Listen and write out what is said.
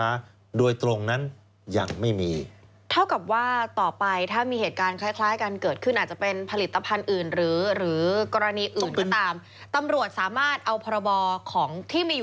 หน่วยงานนี้มาประกอบได้หมดเลยเพื่อเอาผิดใช่ไหม